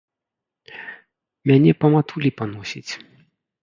Мяне па матулі паносіць.